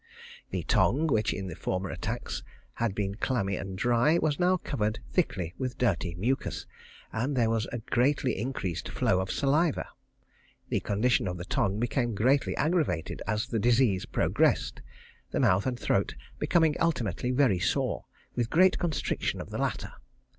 The tongue, which in the former attacks had been clammy and dry, was now covered thickly with dirty mucus, and there was a greatly increased flow of saliva. The condition of the tongue became greatly aggravated as the disease progressed, the mouth and throat becoming ultimately very sore, with great constriction of the latter.